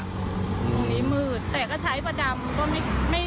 ตรงนี้มืดแต่ก็ใช้ประจำ